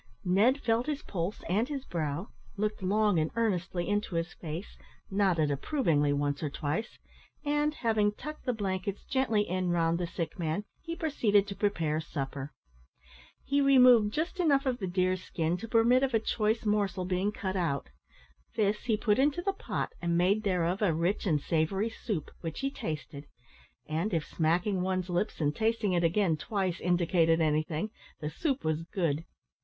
Ned felt his pulse and his brow, looked long and earnestly into his face, nodded approvingly once or twice, and, having tucked the blankets gently in round the sick man, he proceeded to prepare supper. He removed just enough of the deer's skin to permit of a choice morsel being cut out; this he put into the pot, and made thereof a rich and savoury soup, which he tasted; and, if smacking one's lips and tasting it again twice, indicated anything, the soup was good.